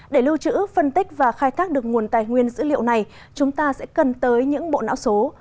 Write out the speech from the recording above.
để lưu trữ phân tích và khai thác được nguồn tài nguyên dữ liệu này chúng ta sẽ cần tới những bộ não số